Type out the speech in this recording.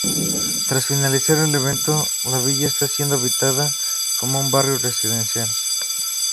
Tras finalizar el evento la villa está siendo habilitada como un barrio residencial.